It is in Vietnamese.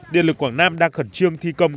điện lực quảng nam đang khẩn trương thi công